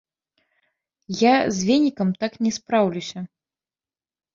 Я з венікам так не спраўлюся.